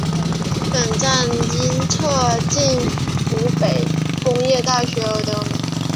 本站因临近湖北工业大学而得名。